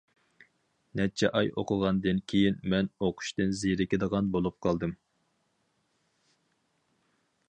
نەچچە ئاي ئوقۇغاندىن كېيىن، مەن ئوقۇشتىن زېرىكىدىغان بولۇپ قالدىم.